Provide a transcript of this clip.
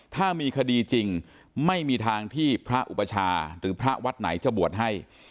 ถ้ามีคดีจริงไม่มีทางที่พระอุปชาหรือพระวัดไหนจะบวชให้